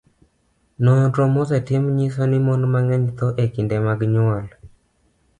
nonro mosetim nyiso ni mon mang'eny tho e kinde mag nyuol.